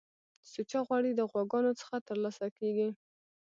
سوچه غوړی د غواګانو څخه ترلاسه کیږی